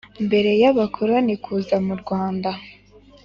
mbere y’abakoroni kuza m’urwanda